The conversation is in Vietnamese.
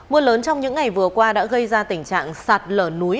mưa lớn trong những ngày vừa qua đã gây ra tình trạng sạt lở núi